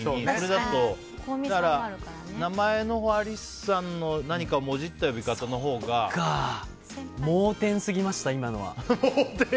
だから、名前のアリスさんの何かもじった呼び方のほうが。盲点すぎました、今のは。